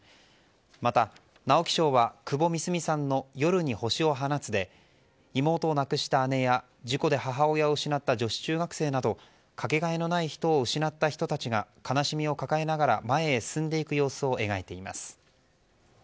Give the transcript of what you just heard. また、直木賞は窪美澄さんの「夜に星を放つ」で妹を亡くした姉や事故で母親を失った女子中学生などかけがえのない人を失った人たちが悲しみを抱えながら前へ進んでいく様子を描いています。